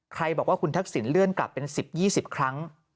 บอกว่าคุณทักษิณเลื่อนกลับเป็น๑๐๒๐ครั้ง